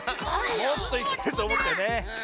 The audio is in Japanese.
もうちょっといけるとおもったよね。